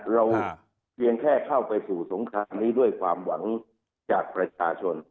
เพียงแค่เข้าไปสู่สงครามนี้ด้วยความหวังจากประชาชน